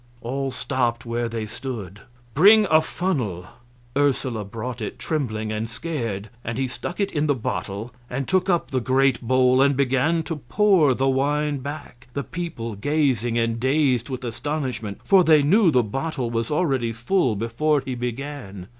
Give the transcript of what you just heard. All stopped where they stood. "Bring a funnel!" Ursula brought it, trembling and scared, and he stuck it in the bottle and took up the great bowl and began to pour the wine back, the people gazing and dazed with astonishment, for they knew the bottle was already full before he began.